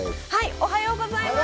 おはようございます。